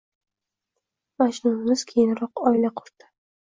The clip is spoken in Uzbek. Majnunimiz keyinroq oila qurdi.